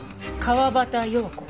川端葉子。